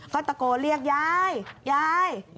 ก็ตะโกนเรียกยายยาย